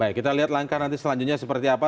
baik kita lihat langkah nanti selanjutnya seperti apa